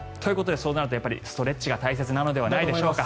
となるとストレッチが大事なんじゃないでしょうか。